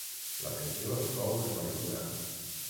La pensió els fou reconeguda.